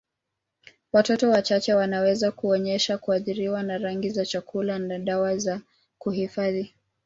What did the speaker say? Watoto wachache wanaweza kuonyesha kuathiriwa na rangi za chakula na dawa za kuhifadhi.